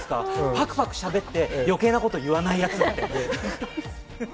パクパクしゃべって余計なこと言わないやつって。